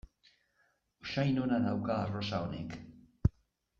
Usain ona dauka arrosa honek.